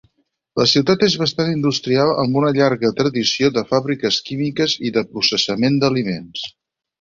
La ciutat és bastant industrial amb una llarga tradició de fàbriques químiques i de processament d'aliments.